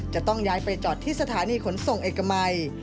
จะต้องย้ายไปจอดที่สถานีขนส่งเอกมัย